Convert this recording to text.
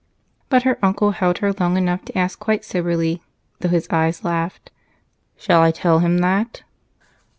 But her uncle held her long enough to ask quite soberly, though his eyes laughed: "Shall I tell him that?"